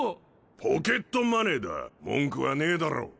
ポケットマネーだ文句はねえだろ。